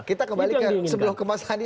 kita kembalikan sebelum kebangsaan ini